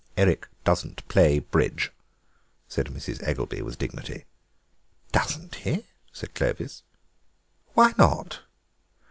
"Eric doesn't play bridge," said Mrs. Eggelby with dignity. "Doesn't he?" asked Clovis; "why not?"